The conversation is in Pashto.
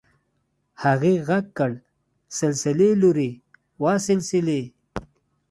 هغې غږ کړ سلسلې لورې وه سلسلې.